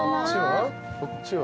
こっちは？